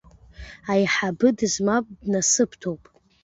Аиҳабы дызмам днасыԥдоуп…